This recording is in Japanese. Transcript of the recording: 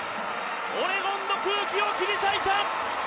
オレゴンの空気を切り裂いた！